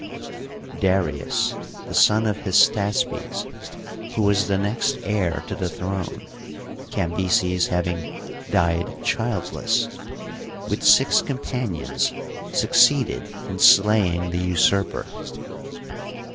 c; Dariusy the son of Hystaspes, who was the next heir to the throne, Cambyses having died childless, with six com panions succeeded in slaying the usurper.